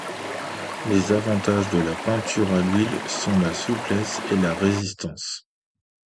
Les avantages de la peinture à l’huile sont la souplesse et la résistance.